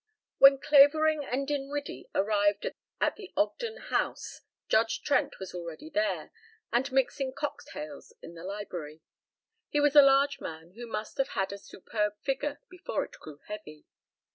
IX When Clavering and Dinwiddie arrived at the Ogden house Judge Trent was already there and mixing cocktails in the library. He was a large man who must have had a superb figure before it grew heavy.